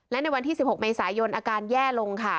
และในวันที่๑๖เมษายนอาการแย่ลงค่ะ